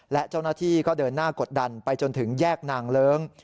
และเจ้าหน้าที่ก็เดินหน้ากดดันไปจนถึงแยกนางเลิ้ง